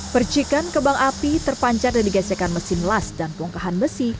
percikan kebang api terpancar dari gesekan mesin las dan bongkahan besi